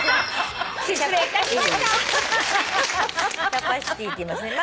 「キャパシティ」って言いますね。